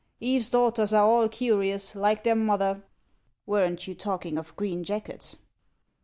" Eve's daughters are all curious, like their mother. Weren't you talking of green jackets?"